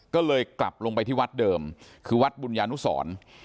ก็เลยกลับลงไปที่วัดเดิมคือวัดบุญญานุสร